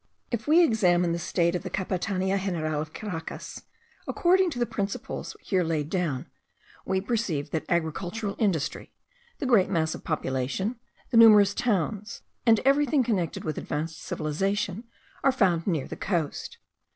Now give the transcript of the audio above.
If we examine the state of the Capitania General of Caracas, according to the principles here laid down, we perceive that agricultural industry, the great mass of population, the numerous towns, and everything connected with advanced civilization, are found near the coast.